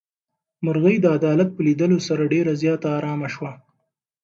مرغۍ د عدالت په لیدلو سره ډېره زیاته ارامه شوه.